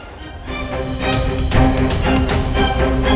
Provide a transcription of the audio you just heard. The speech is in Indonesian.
ada yang gak beres